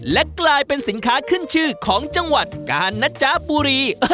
และกลายเป็นสินค้าขึ้นชื่อของจังหวัดกาลนะจ๊ะบุรี